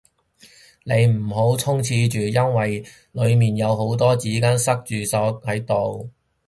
你唔好衝廁住，因為裏面有好多紙巾塞住咗喺度